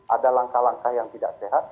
ada langkah langkah yang tidak sehat